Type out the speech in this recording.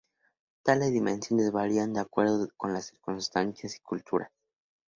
Tales dimensiones varían de acuerdo con las circunstancias y culturas.